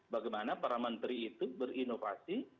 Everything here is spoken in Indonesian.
bagaimana para menteri itu berinovasi